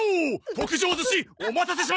特上寿司お待たせしました！